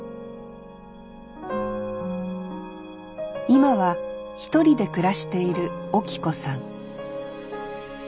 今は一人で暮らしているオキ子さん